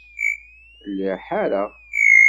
Lliɣ ḥareɣ.